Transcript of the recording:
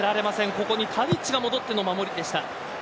ここにタディッチが戻っての守りでした。